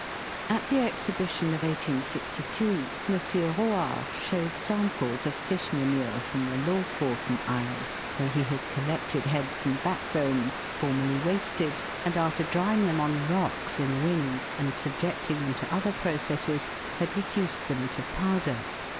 At the Exhibition of 1862 M. Rohart showed samples of fish manure from the Loffoden Isles, where he had collected heads and backbones, formerly wasted, and after drying them QUEEN'S TOBACCO PIPE. 301 on the rocks in the wind, and subjecting them to other processes, had reduced them to powder.